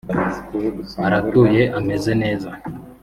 aratuye ameze neza